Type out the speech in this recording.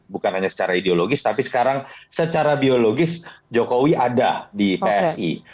bukan hanya secara ideologis tapi sekarang secara biologis jokowi ada di psi